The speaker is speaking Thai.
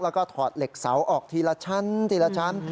แล้วก็ถอดเหล็กเสาออกทีละชั้นทีละชั้น